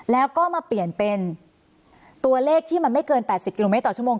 แล้วก็มาเปลี่ยนเป็นตัวเลขที่มันไม่เกิน๘๐กิโลเมตรต่อชั่วโมง